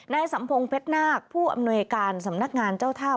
สัมพงษ์เพชรนาคผู้อำนวยการสำนักงานเจ้าท่า